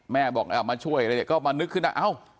แม่บอกมาช่วยก็มานึกขึ้นว่า